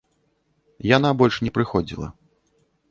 Яна больш не прыходзіла.